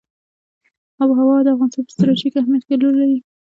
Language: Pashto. آب وهوا د افغانستان په ستراتیژیک اهمیت کې رول لري.